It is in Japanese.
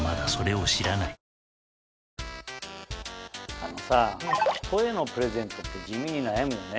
あのさ人へのプレゼントって地味に悩むよね。